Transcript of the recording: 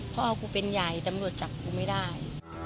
พ่อกูเป็นใหญ่ตำรวจจับกูไม่ได้